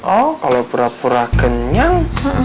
oh kalau pura pura kenyang